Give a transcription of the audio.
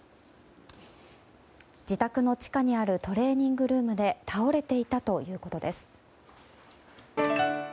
自宅の地下にあるトレーニングルームで倒れていたということです。